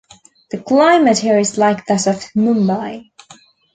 The climate here is like that of Mumbai.